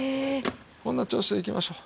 こんな調子でいきましょう。